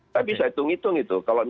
tapi saya tunggi tunggi itu